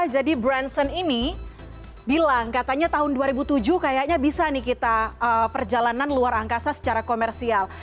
jadi branson ini bilang katanya tahun dua ribu tujuh kayaknya bisa nih kita perjalanan luar angkasa secara komersial